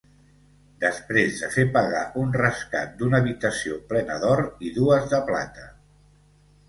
Després de fer pagar un rescat d'una habitació plena d'or i dues de plata.